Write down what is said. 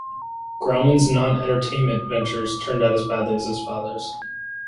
Grauman's non-entertainment ventures turned out as badly as his father's.